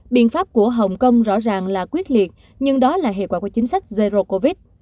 biện pháp của hồng kông rõ ràng là quyết liệt nhưng đó là hệ quả của chính sách zero covid